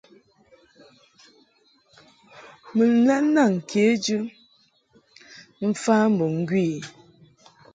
Mun lɛ naŋ kejɨ mf ambo ŋgwi i.